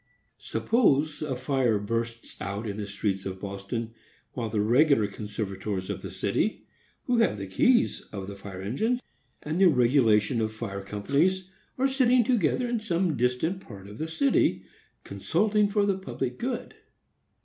Suppose a fire bursts out in the streets of Boston, while the regular conservators of the city, who have the keys of the fire engines, and the regulation of fire companies, are sitting together in some distant part of the city, consulting for the public good.